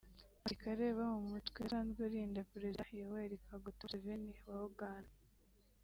Abasirikare bo mu mutwe udasanzwe urinda Perezida Yoweri Kaguta Museveni wa Uganda